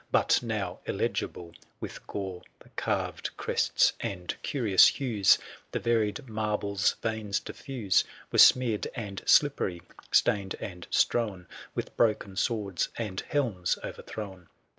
But now illegible with gore ; The carved crests, and curious hues The varied marble's veins diff'use, 925 Were smeared, and slippery — stained, and strown With brokdn swords, and helms o'erthrown : E so THE SIEGE OF OORf NTH.